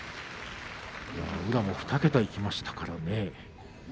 宇良も２桁いきましたからね。